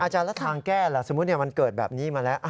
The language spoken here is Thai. อาจารย์แล้วทางแก้ล่ะสมมุติมันเกิดแบบนี้มาแล้ว